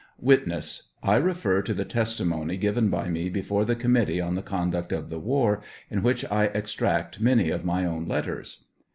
Witness. I refer to the testimony given by me before the Committee on the Conduct of the War, in which I extract many of my own letters.